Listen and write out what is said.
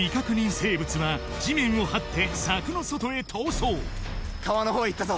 生物は地面をはって柵の外へ逃走・川の方へ行ったぞ・